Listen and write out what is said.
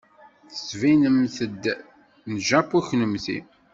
Tettbinemt-d n Japu kunemti.